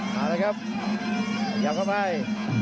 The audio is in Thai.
มาแล้วครับะยาวเข้าไป